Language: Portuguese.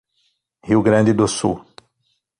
Rio Grande do Sul